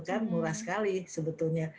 kan murah sekali sebetulnya